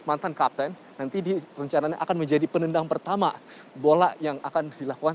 mantan kapten nanti dia rencananya akan menjadi penendang pertama bola yang akan dilakukan